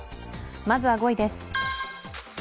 まずは５位です。